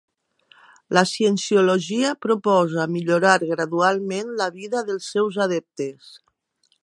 La Cienciologia proposa millorar gradualment la vida dels seus adeptes.